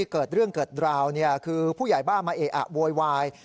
เกิดเรื่องเกิดราวคือผู้ใหญ่บ้านมาเอะอะโวยวาย